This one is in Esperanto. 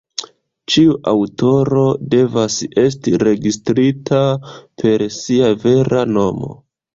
Ĉiu aŭtoro devas esti registrita per sia vera nomo.